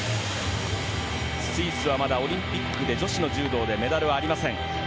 スイスはまだオリンピックで女子の柔道でメダルはありません。